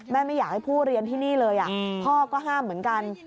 ไม่อยากให้ผู้เรียนที่นี่เลยพ่อก็ห้ามเหมือนกัน